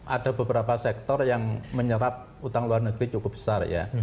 ada beberapa sektor yang menyerap utang luar negeri cukup besar ya